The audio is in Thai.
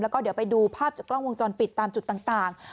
แล้วก็เดี๋ยวไปดูภาพจากกล้องวงจรปิดตามจุดต่าง